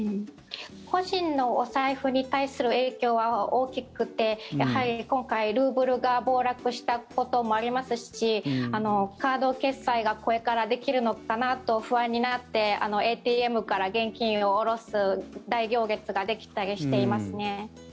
個人のお財布に対する影響は大きくてやはり今回ルーブルが暴落したこともありますしカード決済が、これからできるのかなと不安になってＡＴＭから現金を下ろす大行列ができたりしていますね。